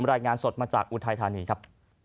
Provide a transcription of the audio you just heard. รายงานสดมาจากอุทัยธานีครับ